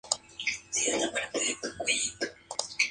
A partir de octubre nidifica en huecos de árboles.